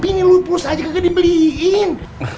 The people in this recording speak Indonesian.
ini lu pulsa aja gak dibeliin